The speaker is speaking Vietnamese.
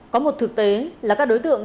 có một thực tế là các đối tượng